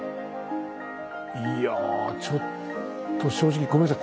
いやちょっと正直ごめんなさい。